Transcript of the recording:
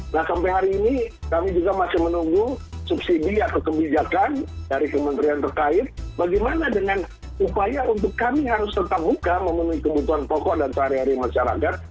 nah sampai hari ini kami juga masih menunggu subsidi atau kebijakan dari kementerian terkait bagaimana dengan upaya untuk kami harus tetap buka memenuhi kebutuhan pokok dan sehari hari masyarakat